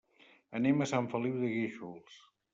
Anem a Sant Feliu de Guíxols.